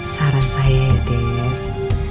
saran saya des